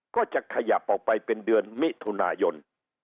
ก็จะขยับออกไปเป็นเดือนมิถุนายน